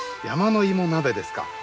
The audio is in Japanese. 山の芋鍋ですか。